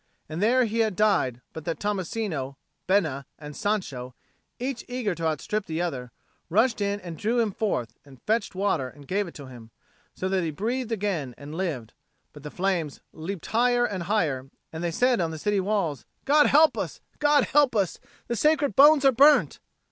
And there he had died, but that Tommasino, Bena, and Sancho, each eager to outstrip the other, rushed in and drew him forth, and fetched water and gave it to him, so that he breathed again and lived. But the flames leapt higher and higher; and they said on the city walls, "God help us! God help us! The sacred bones are burnt!"